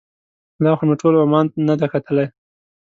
لا خو مې ټول عمان نه دی کتلی.